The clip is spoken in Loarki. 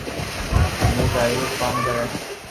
اوتي ڪاريگر ڪوم ڪري ھي